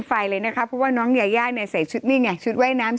ไฟเลยนะคะเพราะว่าน้องยายาเนี่ยใส่ชุดนี่ไงชุดว่ายน้ำ